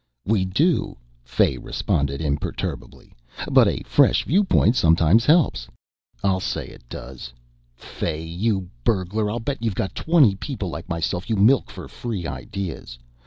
"We do," Fay responded imperturbably, "but a fresh viewpoint sometimes helps." "I'll say it does! Fay, you burglar, I'll bet you've got twenty people like myself you milk for free ideas.